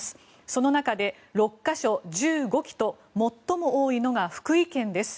その中で６か所１５基と最も多いのが福井県です。